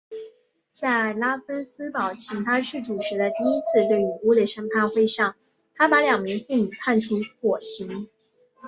在拉芬斯堡请他去主持的第一次对女巫的审判会上他把两名妇女判处火刑。